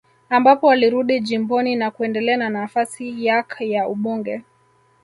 Ambapo alirudi jimboni na kuendelea na nafasi yak ya ubunge